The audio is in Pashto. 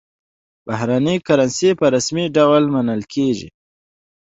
بهرنۍ کرنسي په رسمي ډول منل کېږي.